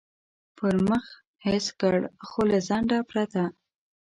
پر مخ حس کړ، خو له ځنډه پرته.